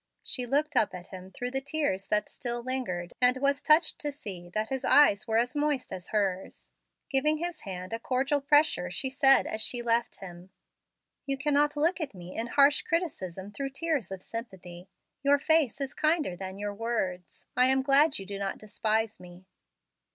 She looked up at him through the tears that still lingered, and was touched to see that his eyes were as moist as hers. Giving his hand a cordial pressure, she said as she left him: "You cannot look at me in harsh criticism through tears of sympathy. Your face is kinder than your words. I am glad you do not despise me."